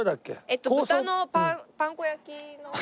えっと豚のパン粉焼きの。